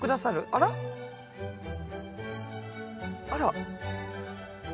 あら。